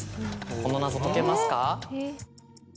この謎解けますか？